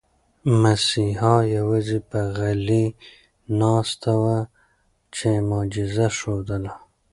مسیحا یوازې په غلې ناسته کې معجزه ښودله.